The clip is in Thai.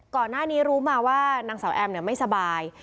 ก่อนหน้านี้รู้มาว่านางสาวแอมไม่สบาย